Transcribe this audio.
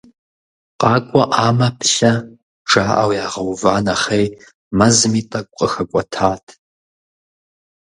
КъакӀуэӀамэ, плъэ, жаӀэу ягъэува нэхъей, мэзми тӀэкӀу къыхэкӀуэтат.